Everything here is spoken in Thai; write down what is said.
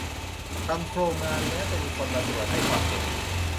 ทำโครงงานแล้วจะมีคนมาตรวจให้ความเห็น